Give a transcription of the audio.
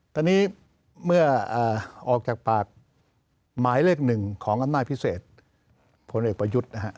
ตอนนี้เมื่อออกจากปากหมายเลขหนึ่งของอำนาจพิเศษผลเอกประยุทธ์นะฮะ